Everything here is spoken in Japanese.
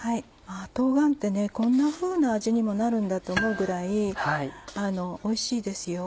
冬瓜ってこんなふうな味にもなるんだって思うぐらいおいしいですよ。